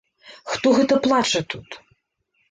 Хто гэта плача тут?